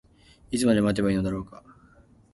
いつまで待てばいいのだろうか。